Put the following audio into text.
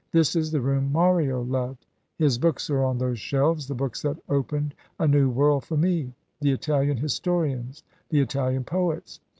This is the room Mario loved. His books are on those shelves, the books that opened a new world for me: the Italian historians, the Italian poets.